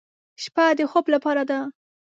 شپه د خوب لپاره ده.